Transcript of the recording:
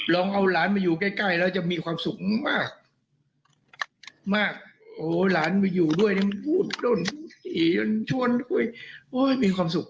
ลองเอาหลานมาอยู่ใกล้แล้วจะมีความสุขมากมากโอ้ยหลานมาอยู่ด้วยโอ้ยมีความสุข